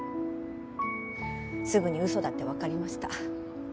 すぐに嘘だってわかりました。